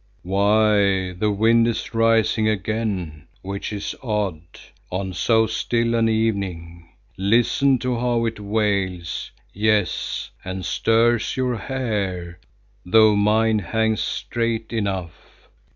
"Why, the wind is rising again, which is odd on so still an evening. Listen to how it wails, yes, and stirs your hair, though mine hangs straight enough.